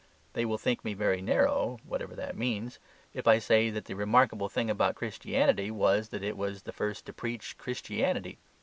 They will think me very narrow (whatever that means) if I say that the remarkable thing about Christianity was that it was the first to preach Christianity.